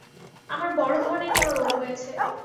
আমার বড় ধরনের কোন রোগ হয়েছে।